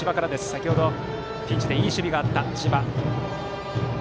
先程、ピンチでいい守備があった千葉。